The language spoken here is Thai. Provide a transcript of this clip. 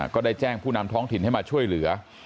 ก็ได้แจ้งผู้นำท้องถิ่นให้มาช่วยเหลือ